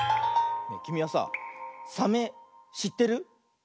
きみはさサメしってる？